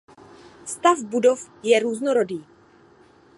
Stav budov je různorodý.